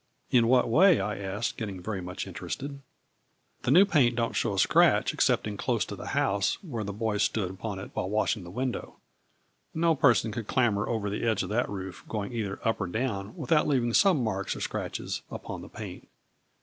" In what way ?" I asked, getting very much interested. ." The new paint don't show a scratch, ex cepting close to the house, where the boy stood upon it while washing the window. No person could clamber over the edge of that roof, going either up or down, without leaving some marks or scratches upon the paint.